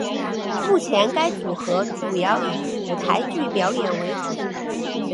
目前该组合主要以舞台剧表演为主。